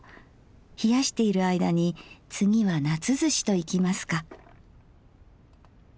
冷やしている間に次は夏ずしといきますか。